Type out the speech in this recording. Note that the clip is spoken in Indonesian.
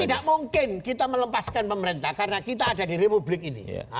tidak mungkin kita melepaskan pemerintah karena kita ada di republik ini